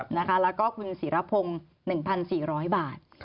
แล้วก็คุณศิรพงศ์๑๔๐๐บาท